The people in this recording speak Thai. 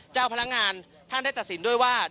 เจ้าพนักงานท่านได้ตัดสินด้วยว่า